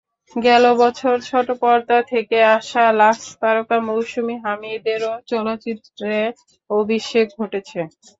গেল বছর ছোটপর্দা থেকে আসা লাক্স তারকা মৌসুমী হামিদেরও চলচ্চিত্রে অভিষেক ঘটেছে।